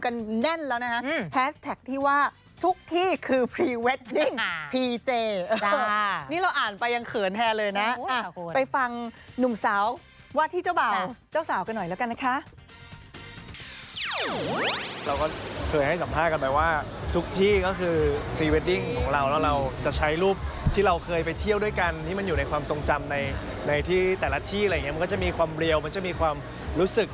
ในที่แต่ละที่อะไรอย่างนี้มันก็จะมีความเรียวมันจะมีความรู้สึก